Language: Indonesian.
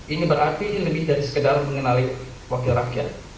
ini berarti lebih dari sekedar mengenali wakil rakyat